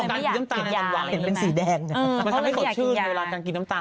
ไม่อยากติดยา